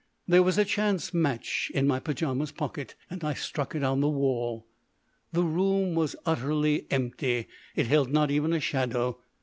There was a chance match in my pyjamas' pocket, and I struck it on the wall. The room was utterly empty. It held not even a shadow.